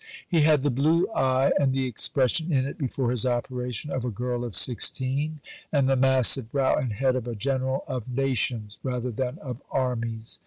He had the blue eye, and the expression in it (before his operation), of a girl of 16, and the massive brow and head of a General of Nations rather than of Armies....